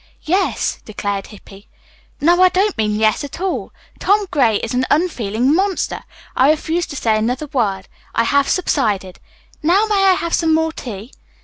"Yes," declared Hippy. "No, I don't mean 'yes' at all. Tom Gray is an unfeeling monster. I refuse to say another word. I have subsided. Now, may I have some more tea?"